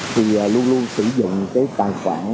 thì luôn luôn sử dụng cái tài khoản